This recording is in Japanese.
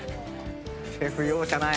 シェフ容赦ない。